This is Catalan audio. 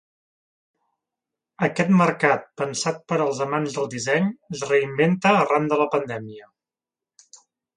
Aquest mercat pensat per als amants del disseny es reinventa arran de la pandèmia.